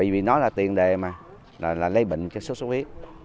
vì nó là tiền đề mà là lây bệnh cho sốt sốt huyết